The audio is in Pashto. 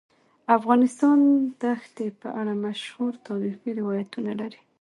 افغانستان د ښتې په اړه مشهور تاریخی روایتونه لري.